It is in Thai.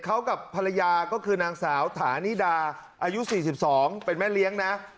เขากับภรรยาก็คือนางสาวถานิดาอายุ๔๒เป็นแม่เลี้ยงนะ